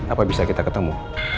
apa bisa kita ketemu